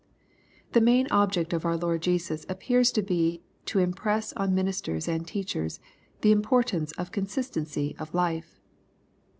The main object of our Lord Jesus appears to be to impress on ministers and teachers the importance of con sistency of life.